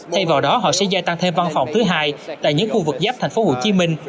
thay vào đó họ sẽ gia tăng thêm văn phòng thứ hai tại những khu vực giáp thành phố hồ chí minh